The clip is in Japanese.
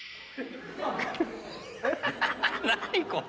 何これ？